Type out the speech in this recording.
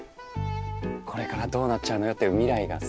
これからどうなっちゃうのよ？っていう未来がさ。